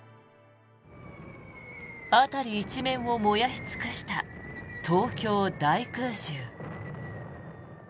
辺り一面を燃やし尽くした東京大空襲。